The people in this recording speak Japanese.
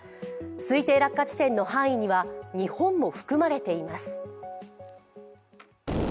推定落下地点の範囲には日本も含まれています。